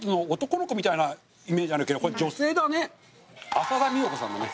浅田美代子さんだね。